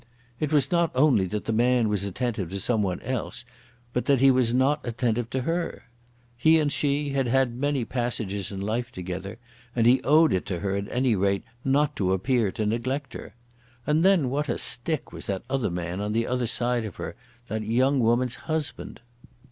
It was not only that the man was attentive to some one else, but that he was not attentive to her. He and she had had many passages in life together, and he owed it to her at any rate not to appear to neglect her. And then what a stick was that other man on the other side of her, that young woman's husband!